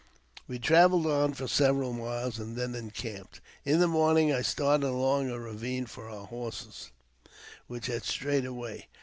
We travelled on for several miles, and then encamped. In the morning I started along a ravine for our horses, which had strayed away.